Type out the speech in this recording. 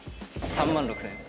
３万６，０００円。